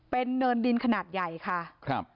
เป็นเนินดินขนาดใหญ่ค่ะครับ